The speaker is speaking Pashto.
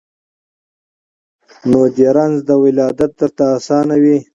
نو دي رنځ د ولادت درته آسان وي